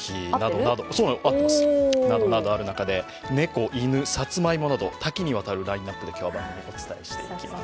などなどある中で猫、犬、さつまいもなど多岐のラインナップでお伝えしていきます。